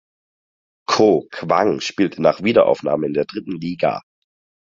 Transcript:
Koh Kwang spielte nach Wiederaufnahme in der dritten Liga.